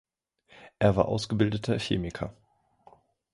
Er war ausgebildeter Chemiker.